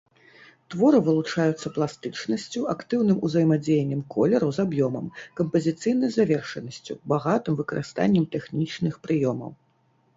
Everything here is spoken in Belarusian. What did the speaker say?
Творы вылучаюцца пластычнасцю, актыўным узаемадзеяннем колеру з аб'ёмам, кампазіцыйнай завершанасцю, багатым выкарыстаннем тэхнічных прыёмаў.